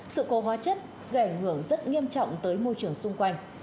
sự cố hóa chất gây ảnh hưởng rất nghiêm trọng tới môi trường xung quanh